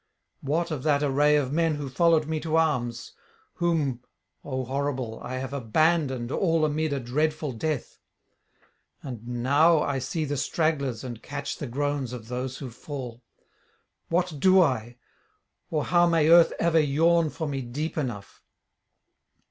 What of that array of men who followed me to arms? whom oh horrible! I have abandoned all amid [674 707]a dreadful death; and now I see the stragglers and catch the groans of those who fall. What do I? or how may earth ever yawn for me deep enough?